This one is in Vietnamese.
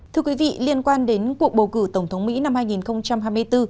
thưa quý vị liên quan đến cuộc bầu cử tổng thống mỹ năm hai nghìn hai mươi bốn